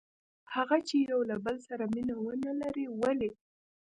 هغه چې یو له بل سره مینه ونه لري؟ ولې؟